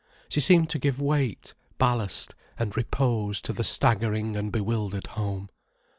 She seemed to give weight, ballast, and repose to the staggering and bewildered home.